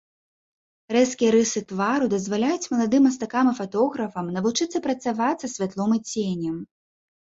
Рэзкія рысы твару дазваляюць маладым мастакам і фатографам навучыцца працаваць са святлом і ценем.